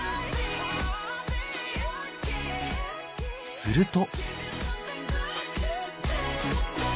すると。